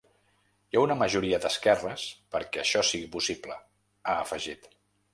Hi ha una majoria d’esquerres perquè això sigui possible, ha afegit.